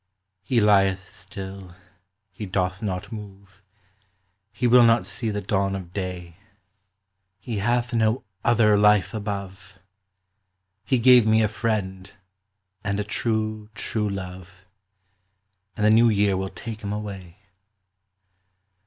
He lieth still : he doth not move : He will not see the dawn of day. He hath no other life above. He gave me a friend, and a true true love, And the New year will take 'em away.